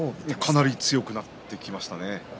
かなり強くなってきましたね。